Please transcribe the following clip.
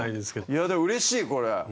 いやでもうれしいこれほんとに。